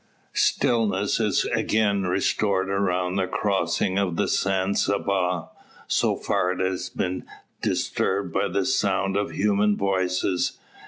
Stillness is again restored around the crossing of the San Saba, so far as it has been disturbed by the sound of human voices.